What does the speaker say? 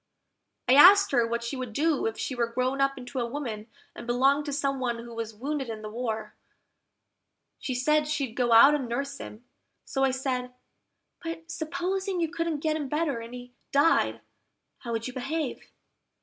I asked her what she would do if she were grown up into a woman, and belonged to some one who was wounded in the war, She said she'd go out and nurse him: so I said, "But supposing you couldn't get him better, and he died; how would you behave?"